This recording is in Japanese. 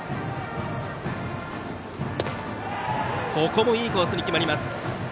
ここもいいコースに決まりました。